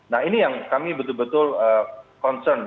nah ini yang kami betul betul concern